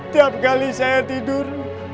tiap kali saya tidur